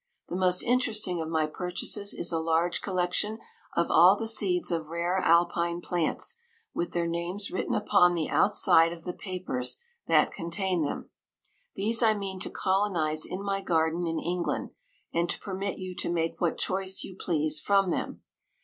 The most interesting of my purchases is a large collection of all the seeds of rare alpine plants, with their names written upon the outside of the papers that contain them. These I mean to colonize in my garden in Eng land, and to permit you to make what choice you please from them.